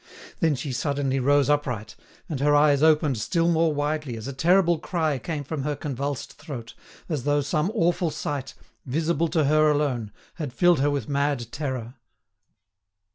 Then she suddenly rose upright, and her eyes opened still more widely as a terrible cry came from her convulsed throat, as though some awful sight, visible to her alone, had filled her with mad terror.